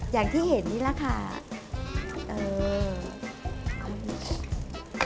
อย่างที่เห็นนี่แหละค่ะ